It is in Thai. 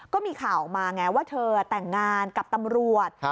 ก็มีข่าวออกมาไงว่าเธอแต่งงานกับตำรวจ